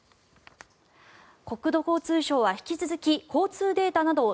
国土交通省は引き続き交通データなどを